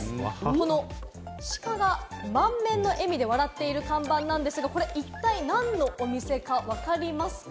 この鹿が満面の笑みで笑っている看板なんですが、これ一体何のお店かわかりますか？